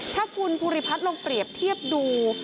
ถ้าคุณภูริพัฒน์ลองเปรียบเทียบดู